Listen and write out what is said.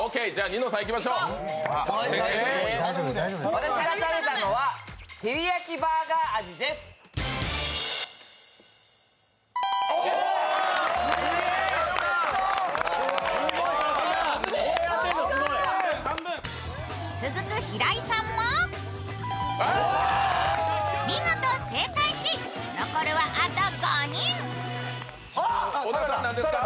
私が食べたのはテリヤキバーガー味です続く平井さんも見事正解し残るはあと５人。